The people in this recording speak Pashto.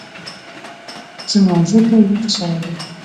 زما ځکه یخ شوی دی